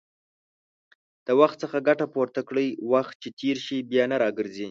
د وخت څخه ګټه پورته کړئ، وخت چې تېر شي، بيا نه راګرځي